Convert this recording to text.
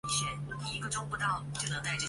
多数生产队现已被拆迁。